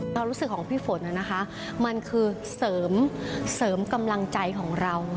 ความรู้สึกของพี่ฝนนะคะมันคือเสริมกำลังใจของเรา